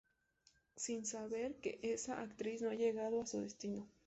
Sin saber que esa actriz no ha llegado a su destino.